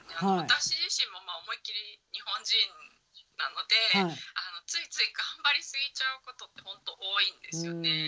私自身も思いっきり日本人なのでついつい頑張りすぎちゃうことってほんと多いんですよね。